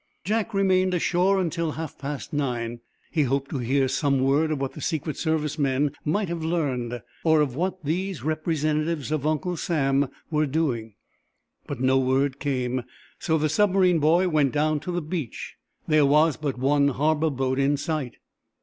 Jack remained ashore until half past nine. He hoped to hear some word of what the Secret Service men might have learned, or of what these representatives of Uncle Sam were doing. But no word came, so the submarine boy went down to the beach. There was but one harbor boat in sight.